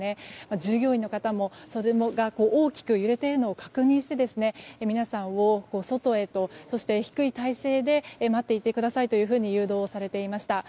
従業員の方も、それが大きく揺れているのを確認して皆さんを外へとそして低い体勢で待っていてくださいと誘導されていました。